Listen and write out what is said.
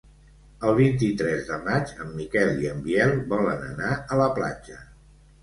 El vint-i-tres de maig en Miquel i en Biel volen anar a la platja.